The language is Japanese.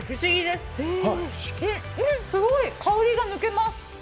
すごい香りが抜けます。